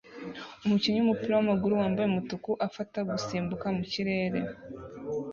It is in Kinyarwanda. Umukinnyi wumupira wamaguru wambaye umutuku afata gusimbuka mu kirere